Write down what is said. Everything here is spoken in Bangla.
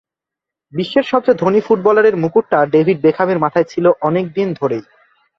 বিশ্বের সবচেয়ে ধনী ফুটবলারের মুকুটটা ডেভিড বেকহামের মাথায় ছিল অনেক দিন ধরেই।